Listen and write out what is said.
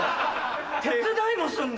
手伝いもするんだ。